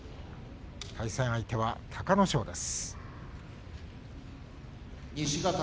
対戦相手は隆の勝です。